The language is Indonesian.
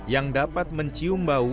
yang dapat menyebabkan penyakit